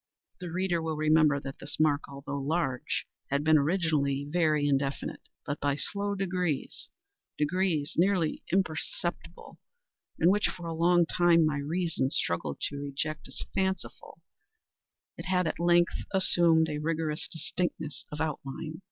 The reader will remember that this mark, although large, had been originally very indefinite; but, by slow degrees—degrees nearly imperceptible, and which for a long time my reason struggled to reject as fanciful—it had, at length, assumed a rigorous distinctness of outline.